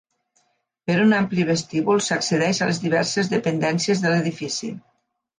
Per un ampli vestíbul s'accedeix a les diverses dependències de l'edifici.